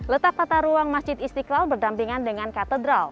letak kata ruang masjid istiqlal bergampingan dengan kata